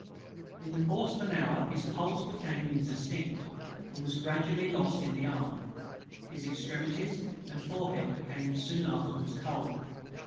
In the course of an hour his pulse became indistinct, and was gradually lost in the arm. His extremities and forehead became soon afterwards cold.